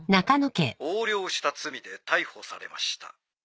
横領した罪で逮捕されました。